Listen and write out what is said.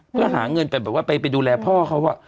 เพื่อหาเงินไปดูแลพ่อเขา